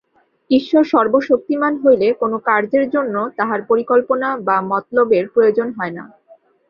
ঈশ্বর সর্বশক্তিমান হইলে কোন কার্যের জন্য তাঁহার পরিকল্পনা বা মতলবের প্রয়োজন হয় না।